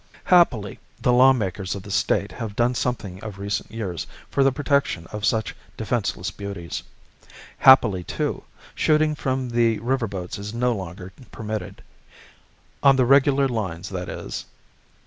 Happily, the lawmakers of the State have done something of recent years for the protection of such defenseless beauties. Happily, too, shooting from the river boats is no longer permitted, on the regular lines, that is.